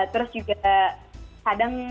terus juga kadang